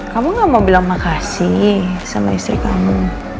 kamu gak mau bilang makasih sama istri kamu